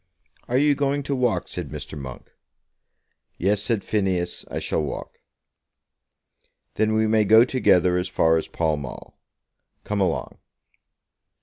"Are you going to walk?" said Mr. Monk. "Yes", said Phineas; "I shall walk." "Then we may go together as far as Pall Mall. Come along."